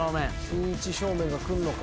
しんいち正面が来んのか？